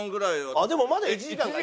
あっでもまだ１時間か。